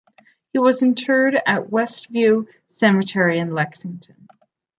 He was interred at Westview Cemetery in Lexington.